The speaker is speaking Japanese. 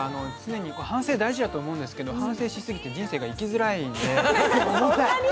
反省大事だと思うんですけど、常に反省しすぎて人生が生きづらいんで。